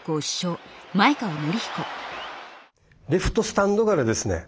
レフトスタンドからですね